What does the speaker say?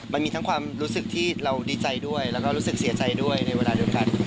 มันมีทั้งความรู้สึกที่เราดีใจด้วยแล้วก็รู้สึกเสียใจด้วยในเวลาเดียวกัน